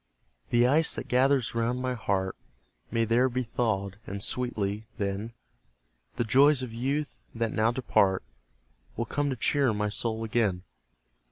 The ice that gathers round my heart May there be thawed; and sweetly, then, The joys of youth, that now depart, Will come to cheer my soul again.